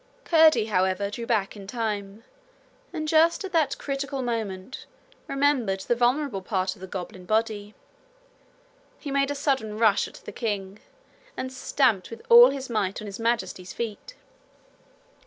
Curdie, however, drew back in time, and just at that critical moment remembered the vulnerable part of the goblin body. He made a sudden rush at the king and stamped with all his might on His Majesty's feet.